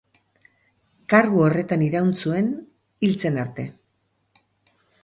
Kargu horretan iraun zuen hil zen arte.